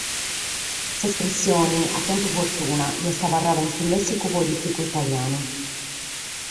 S’espressione at tentu fortuna e est abarrada in su lèssicu polìticu italianu.